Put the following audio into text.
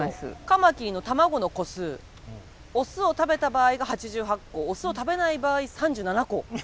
カマキリの卵の個数オスを食べた場合が８８個オスを食べない場合３７個。